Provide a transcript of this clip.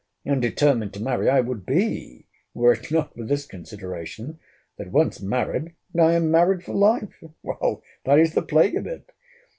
And determined to marry I would be, were it not for this consideration, that once married, and I am married for life. That's the plague of it!